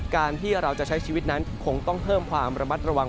การที่เราจะใช้ชีวิตนั้นคงต้องเพิ่มความระมัดระวัง